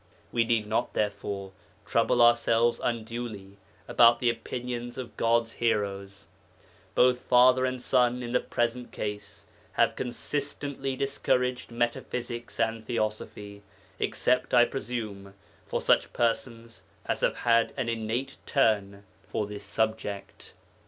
We need not, therefore, trouble ourselves unduly about the opinions of God's heroes; both father and son in the present case have consistently discouraged metaphysics and theosophy, except (I presume) for such persons as have had an innate turn for this subject.